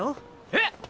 えっ！